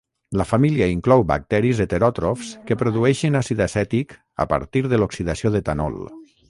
La família inclou bacteris heteròtrofs que produeixen àcid acètic a partir de l'oxidació d'etanol.